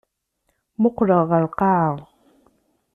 Mmuqqleɣ ɣer lqaɛa.